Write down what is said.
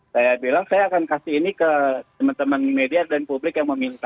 saya bilang saya akan kasih ini ke teman teman media dan publik yang meminta